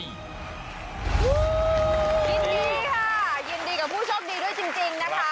ยินดีค่ะยินดีกับผู้โชคดีด้วยจริงนะคะ